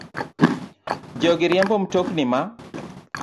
Jogi riembo mtokni ma